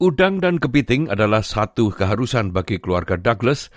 udang dan kepiting adalah satu keharusan bagi keluarga douglas